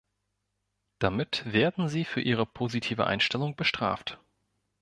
Damit werden sie für ihre positive Einstellung bestraft.